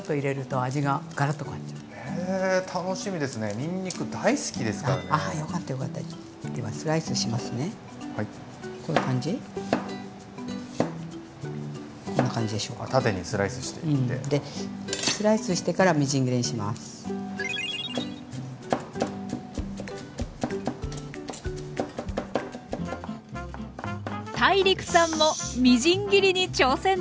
ＴＡＩＲＩＫさんもみじん切りに挑戦です。